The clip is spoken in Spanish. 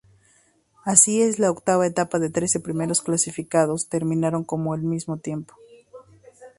Así, en la octava etapa los trece primeros clasificados terminaron con el mismo tiempo.